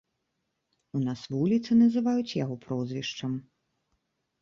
У нас вуліцы называюць яго прозвішчам.